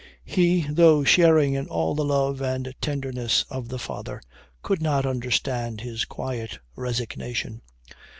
He, though sharing in all the love and tenderness of the father, could not understand his quiet resignation.